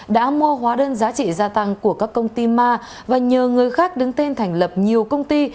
đã mua hóa đơn giá trị gia tăng của các công ty ma và nhờ người khác đứng tên thành lập nhiều công ty